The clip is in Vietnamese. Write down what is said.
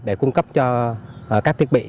để cung cấp cho các thiết bị